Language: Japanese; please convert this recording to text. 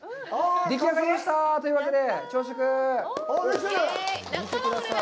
でき上がりました！というわけで朝食！